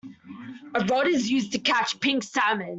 A rod is used to catch pink salmon.